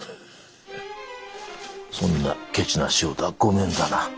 そんなけちな仕事はごめんだな。